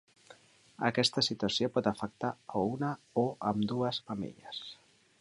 Aquesta situació pot afectar a una o ambdues mamelles.